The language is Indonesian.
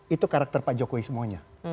itu karakter pak jokowi semuanya